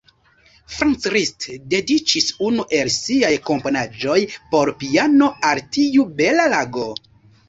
Franz Liszt dediĉis unu el siaj komponaĵoj por piano al tiu bela lago.